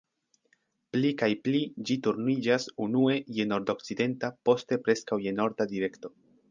Pli kaj pli ĝi turniĝas unue je nordokcidenta, poste preskaŭ je norda direkto.